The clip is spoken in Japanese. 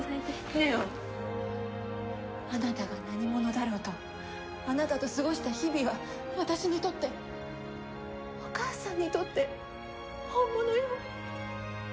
祢音あなたが何者だろうとあなたと過ごした日々は私にとってお母さんにとって本物よ。